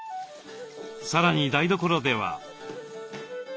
さらに台所では。